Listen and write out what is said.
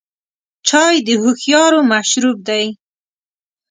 چای د هوښیارو مشروب دی.